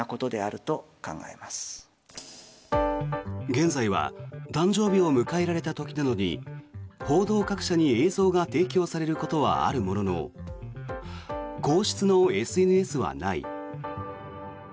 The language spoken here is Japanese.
現在は誕生日を迎えられた時などに報道各社に映像が提供されることはあるものの皇室のＳＮＳはない。